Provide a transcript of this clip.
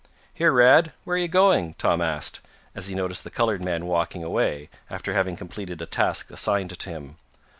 "Here, Rad, where are you going?" Tom asked, as he noticed the colored man walking away, after having completed a task assigned to him.